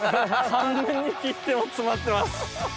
半分に切っても詰まってます。